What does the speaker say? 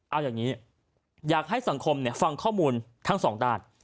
เอาอย่างนี้อยากให้สังคมฟังข้อมูลทั้งสองด้าน